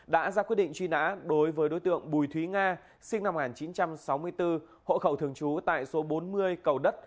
đã ra quyết định truy nã đối với đối tượng bùi thúy nga sinh năm một nghìn chín trăm sáu mươi bốn hộ khẩu thường trú tại số bốn mươi cầu đất